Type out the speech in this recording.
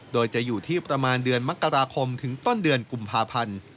โดยจะอยู่ที่ประมาณเดือนมกราคมถึงต้นเดือนกุมภาพันธ์